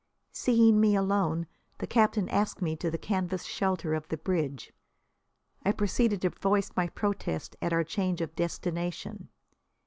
Seeing me alone the captain asked me to the canvas shelter of the bridge. I proceeded to voice my protest at our change of destination.